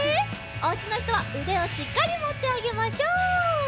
おうちのひとはうでをしっかりもってあげましょう。